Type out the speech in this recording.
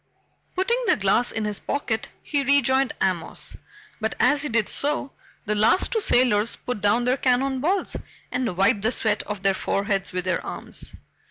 Putting the glass in his pocket, he rejoined Amos, but as he did so the last two sailors put down their cannon balls and wiped the sweat off their foreheads with their arms.